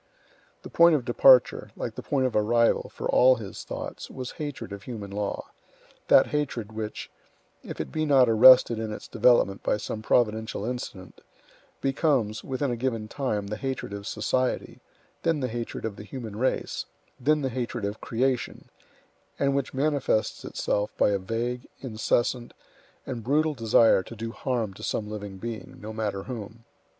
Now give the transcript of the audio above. The point of departure, like the point of arrival, for all his thoughts, was hatred of human law; that hatred which, if it be not arrested in its development by some providential incident, becomes, within a given time, the hatred of society, then the hatred of the human race, then the hatred of creation, and which manifests itself by a vague, incessant, and brutal desire to do harm to some living being, no matter whom.